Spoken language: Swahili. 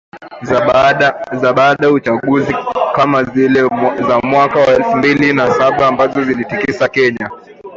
za baada ya uchaguzi kama zile za mwaka elfu mbili na saba ambazo ziliitikisa Kenya